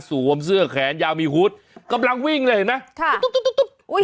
สูมเสื้อแขนยาวมีหุดกำลังวิ่งเนี่ยเห็นไหมค่ะอุ้ยหายไปแล้ว